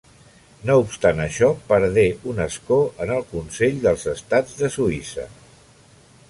No obstant això perdé un escó en el Consell dels Estats de Suïssa.